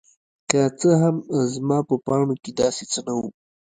که څه هم زما په پاڼو کې داسې څه نه وو.